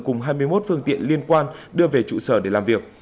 cùng hai mươi một phương tiện liên quan đưa về trụ sở để làm việc